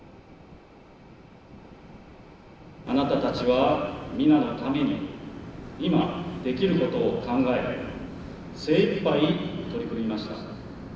あなたたちは皆のために今できることを考え精いっぱい取り組みました。